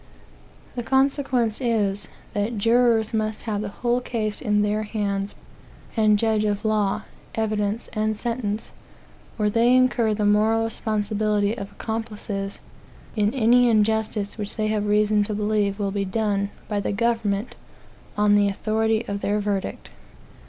The consequence is, that jurors must have the whole case in their hands, and judge of law, evidence, and sentence, or they incur the moral responsibility of accomplices in any injustice which they have reason to believe will be done by the government on the authority of their verdict.